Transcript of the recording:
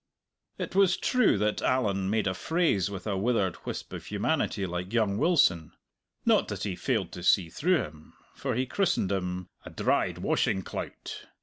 It was true that Allan made a phrase with a withered wisp of humanity like young Wilson. Not that he failed to see through him, for he christened him "a dried washing clout."